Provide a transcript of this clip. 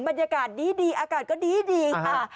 บรรยากาศดีอากาศก็ดีค่ะ